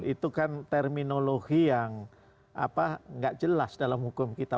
itu kan terminologi yang tidak jelas dalam hukum kita